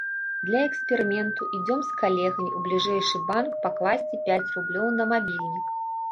Для эксперыменту ідзём з калегам у бліжэйшы банк пакласці пяць рублёў на мабільнік.